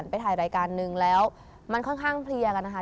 ไปถ่ายรายการนึงแล้วมันค่อนข้างเพลียกันนะคะ